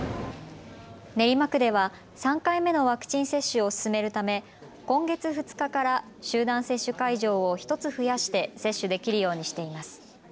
練馬区では３回目のワクチン接種を進めるため今月２日から集団接種会場を１つ増やして接種できるようにしています。